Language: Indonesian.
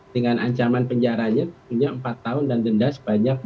dengan ancaman penjaranya punya empat tahun dan denda sebanyak